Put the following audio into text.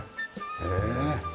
へえ。